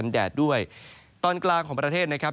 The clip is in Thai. ในแต่ละพื้นที่เดี๋ยวเราไปดูกันนะครับ